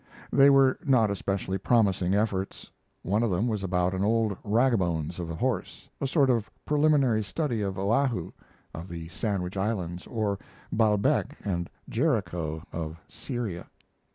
They were not especially promising efforts. One of them was about an old rackabones of a horse, a sort of preliminary study for "Oahu," of the Sandwich Islands, or "Baalbec" and "Jericho," of Syria.